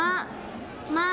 「ま」！